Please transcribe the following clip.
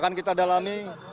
akan kita dalami